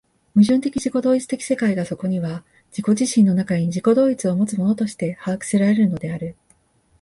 矛盾的自己同一的世界がそこには自己自身の中に自己同一をもつものとして把握せられるのである。